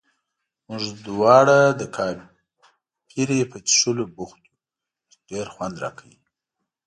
موږ دواړه د کاپري په څښلو بوخت یو، چې ډېر خوند راکوي.